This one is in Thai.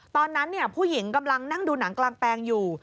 ตอนนั้นผู้หญิงกำลังนั่งดูหนังกลางแปลงอยู่